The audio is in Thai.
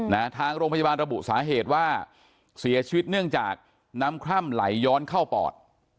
ทางโรงพยาบาลระบุสาเหตุว่าเสียชีวิตเนื่องจากน้ำคร่ำไหลย้อนเข้าปอด